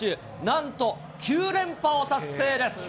なんと９連覇を達成です。